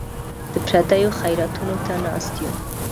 د پردیو خیراتونو ته ناست یو.